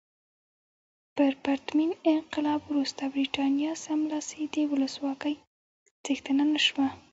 تر پرتمین انقلاب وروسته برېټانیا سملاسي د ولسواکۍ څښتنه نه شوه.